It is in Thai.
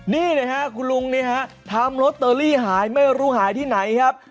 นี่นะครับคุณลุงนี่ฮะทำลอตเตอรี่หายไม่รู้หายที่ไหนครับ